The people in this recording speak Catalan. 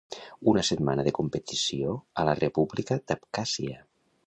Una setmana de competició a la ‘república d’Abkhàsia’